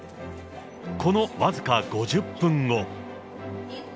この僅か５０分後。